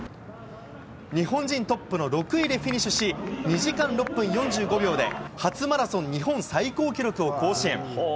日本人トップの６位でフィニッシュし、２時間６分４５秒で、初マラソン日本最高記録を更新。